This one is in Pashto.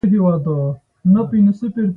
دا ډول مرستې چندانې واره نه کوي.